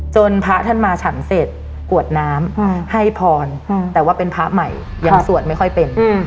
พระท่านมาฉันเสร็จกวดน้ำให้พรแต่ว่าเป็นพระใหม่ยังสวดไม่ค่อยเป็น